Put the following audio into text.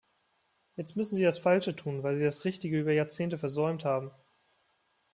Jetzt müssen Sie das Falsche tun, weil Sie das Richtige über Jahrzehnte versäumt haben.